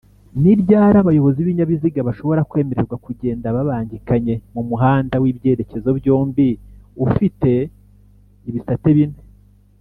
niryari abayobozi bibinyabiziga bashobora kwemererwa kugenda babangikanye?mumuhanda w’ibyerekezo byombi ufite ibisate bine